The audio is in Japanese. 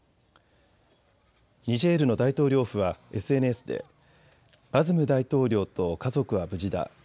ニジェールの大統領府はＳＮＳでバズム大統領と家族は無事だ。